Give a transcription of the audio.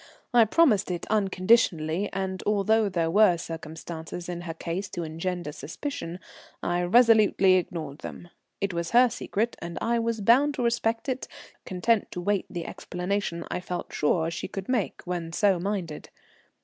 I promised it unconditionally, and although there were circumstances in her case to engender suspicion, I resolutely ignored them. It was her secret, and I was bound to respect it, content to await the explanation I felt sure she could make when so minded.